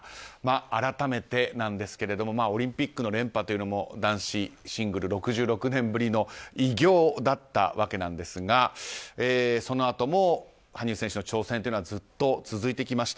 改めてなんですがオリンピックの連覇というのも男子シングル６６年ぶりの偉業だったわけなんですがそのあとも羽生選手の挑戦というのはずっと続いてきました。